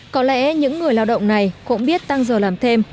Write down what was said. có lẽ những người lao động này cũng biết tăng giờ làm thêm